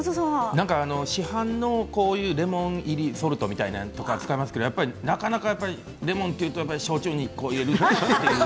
市販のレモン入りソルトみたいなものを使いますけれどもなかなかレモンというと焼酎に入れるみたいな。